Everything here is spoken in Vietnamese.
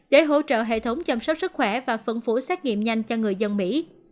để hỗ trợ hệ thống chăm sóc sức khỏe và phân phối xét nghiệm nhanh cho người dân mỹ